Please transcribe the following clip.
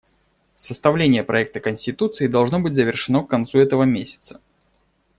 Составление проекта конституции должно быть завершено к концу этого месяца.